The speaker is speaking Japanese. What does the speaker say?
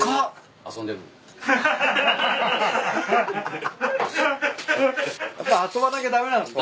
遊ばなきゃ駄目なんすか？